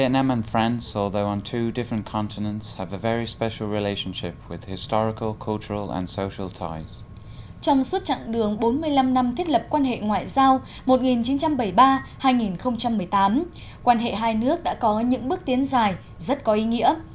trong suốt chặng đường bốn mươi năm năm thiết lập quan hệ ngoại giao một nghìn chín trăm bảy mươi ba hai nghìn một mươi tám quan hệ hai nước đã có những bước tiến dài rất có ý nghĩa